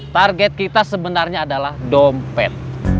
target kita sebenarnya adalah dompet